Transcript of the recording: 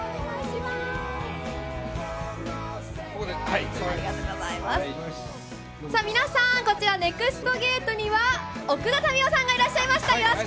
ひろうって偉大だな皆さん、こちら、ＮＥＸＴゲートには、奥田民生さんがいらっしゃいました。